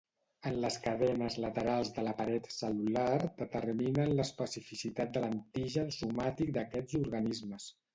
En les cadenes laterals de la paret cel·lular determinen l'especificitat de l'antigen somàtic d'aquests organismes.